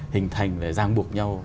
hình thành và giang buộc nhau